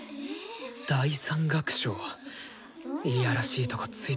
第３楽章いやらしいとこ突いてくるな。